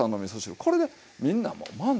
これでみんなもう満足。